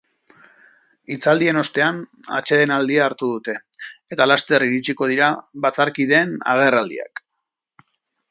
Hitzaldien ostean, atsedenaldia hartu dute, eta laster iritsiko dira batzarkideen agerraldiak.